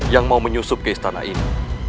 yang mau menyusup ke istana ini